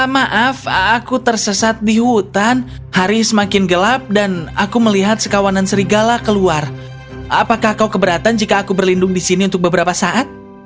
maaf aku tersesat di hutan hari semakin gelap dan aku melihat sekawanan serigala keluar apakah kau keberatan jika aku berlindung di sini untuk beberapa saat